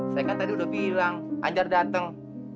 saya kan tadi udah bilang ajar datang